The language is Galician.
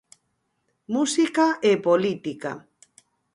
Música e política.